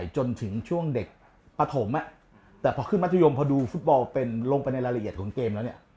จนถึงช่วงเด็กปฐมแต่พอขึ้นมัธยมพอดูฟุตบอลเป็นลงไปในรายละเอียดของเกมแล้วเนี่ย